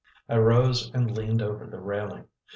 I rose and leaned over the railing.